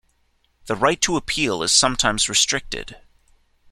The right to appeal is sometimes restricted.